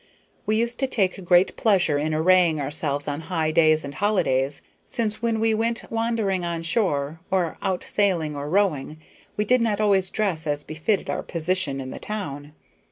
We used to take great pleasure in arraying ourselves on high days and holidays, since when we went wandering on shore, or out sailing or rowing, we did not always dress as befitted our position in the town.